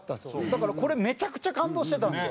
だからこれめちゃくちゃ感動してたんですよ。